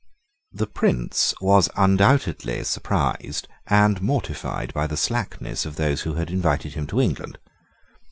The Prince was undoubtedly surprised and mortified by the slackness of those who had invited him to England.